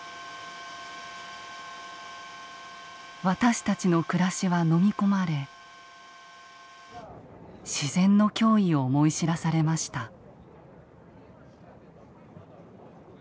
私たちの暮らしはのみ込まれ自然の脅威を思い知らされました。